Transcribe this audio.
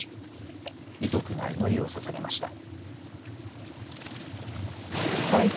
遺族が祈りをささげました。